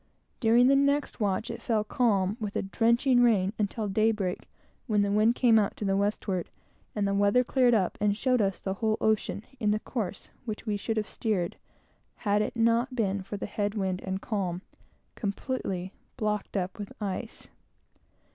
During the next watch it fell calm, with a drenching rain, until daybreak, when the wind came out to the westward, and the weather cleared up, and showed us the whole ocean, in the course which we should have steered, had it not been for the head wind and calm, completely blocked up with ice.